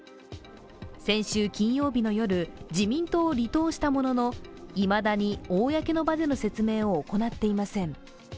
先週金曜日の夜自民党を離党したものの、いまだに公の場での説明を行っていません。